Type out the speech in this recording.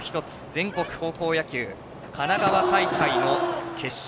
全国高校野球神奈川大会の決勝。